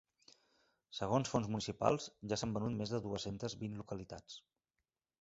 Segons fonts municipals, ja s’han venut més de dues-centes vint localitats.